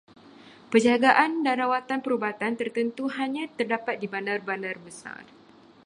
Penjagaan dan rawatan perubatan tertentu hanya terdapat di bandar-bandar besar.